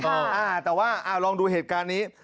อ่าแต่ว่าลองดูเหตุการณ์นี้